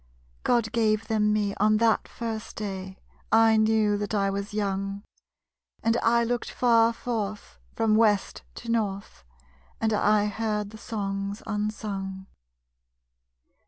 _God gave them me on that first day I knew that I was young. And I looked far forth, from west to north; And I heard the Songs unsung.